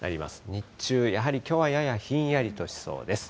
日中、やはりきょうはややひんやりとしそうです。